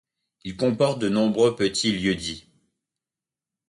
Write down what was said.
Il comporte de nombreux petits lieux-dits.